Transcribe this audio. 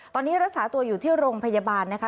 ตอนนี้รักษาตัวอยู่ที่โรงพยาบาลนะคะ